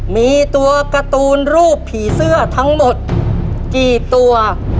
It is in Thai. มีตัวการ์ตูนรูปผีเสื้อทั้งหมดกี่ตัว